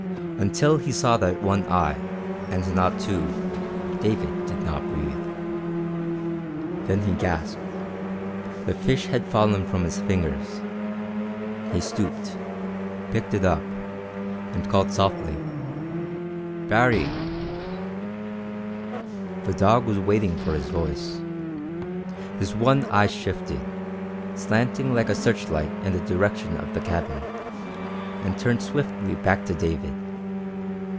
Until he saw that one eye, and not two, David did not breathe. Then he gasped. The fish had fallen from his fingers. He stooped, picked it up, and called softly: "Baree!" The dog was waiting for his voice. His one eye shifted, slanting like a searchlight in the direction of the cabin, and turned swiftly back to David.